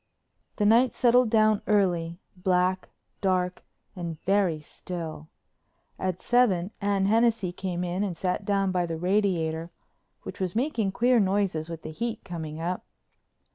The night settled down early, black, dark and very still. At seven Anne Hennessey came in and sat down by the radiator, which was making queer noises with the heat coming up.